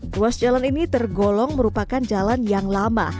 ruas jalan ini tergolong merupakan jalan yang lama